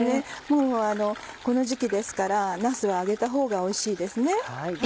もうこの時期ですからなすは揚げたほうがおいしいですね。